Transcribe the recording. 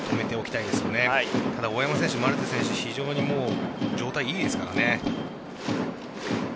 ただ大山選手、マルテ選手非常に状態がいいですからね。